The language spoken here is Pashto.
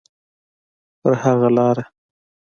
په هغه لاره.